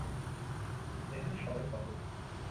এখানে সবাই ভদ্র থাকবে।